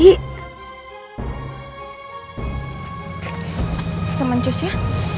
bisa mencus ya